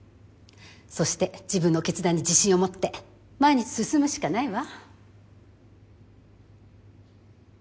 そして自分の決断に自信を持って前に進むしかないわ。